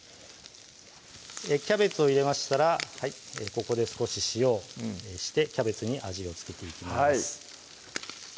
キャベツを入れましたらここで少し塩をしてキャベツに味を付けていきます